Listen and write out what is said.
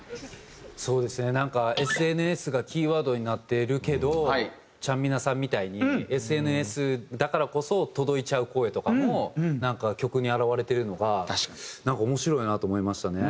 そうですねなんかＳＮＳがキーワードになってるけどちゃんみなさんみたいにＳＮＳだからこそ届いちゃう声とかも曲に表れてるのがなんか面白いなと思いましたね。